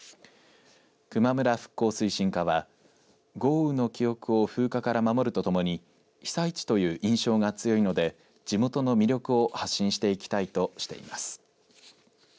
球磨村復興推進課は豪雨の記憶を風化から守るとともに被災地という印象が強いので地元の魅力を発信していきたいとしています。